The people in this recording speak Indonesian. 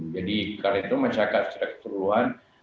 jadi karena itu masyarakat secara keturuhan